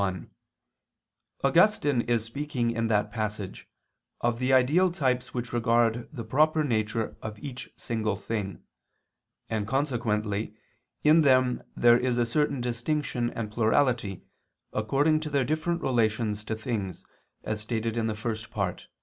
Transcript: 1: Augustine is speaking in that passage of the ideal types which regard the proper nature of each single thing; and consequently in them there is a certain distinction and plurality, according to their different relations to things, as stated in the First Part (Q.